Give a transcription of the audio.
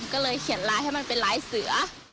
ก็เลยเขียนลายให้มันเป็นลายเสือ